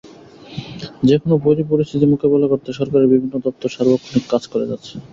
যেকোনো বৈরী পরিস্থিতি মোকাবিলা করতে সরকারের বিভিন্ন দপ্তর সার্বক্ষণিক কাজ করে যাচ্ছে।